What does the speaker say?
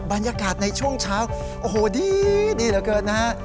บรรยากาศในช่วงเช้าโอ้โหดีเหลือเกินนะฮะ